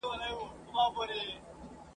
له کوم خیرات څخه به لوږه د چړي سړوو !.